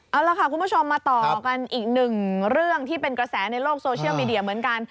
เอาล่ะค่ะคุณผู้ชมมาต่อกันอีกหนึ่งเรื่องที่เป็นกระแสในโลกโซเชียลมีเดียเหมือนกัน